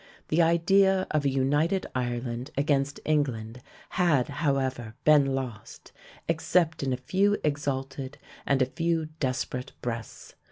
The idea of a united Ireland against England had, however, been lost except in a few exalted and a few desperate breasts.